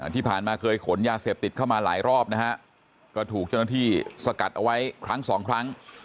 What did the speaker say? ที่ผ่านมาเคยขนยาเสพติดเข้ามาหลายรอบนะฮะก็ถูกเจ้าหน้าที่สกัดเอาไว้ครั้งสองครั้ง